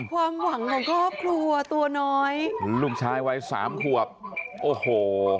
ความหวังของครอบครัวตัวน้อยลูกชายวัยสามขวบโอ้โห